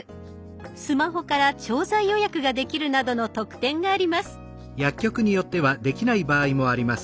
スマホから調剤予約ができるなどの特典があります。